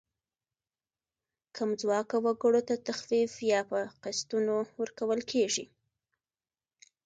کم ځواکه وګړو ته تخفیف یا په قسطونو ورکول کیږي.